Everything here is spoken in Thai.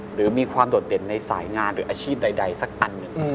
หรือมีความโดดเด่นในสายงานหรืออาชีพใดสักอันหนึ่ง